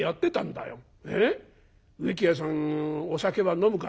『植木屋さんお酒は飲むか？』